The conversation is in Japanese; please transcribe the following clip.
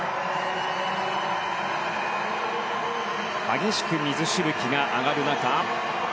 激しく水しぶきが上がる中。